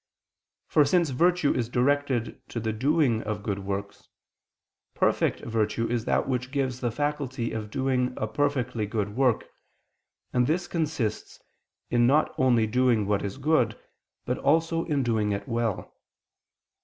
For since virtue is directed to the doing of good works, perfect virtue is that which gives the faculty of doing a perfectly good work, and this consists in not only doing what is good, but also in doing it well.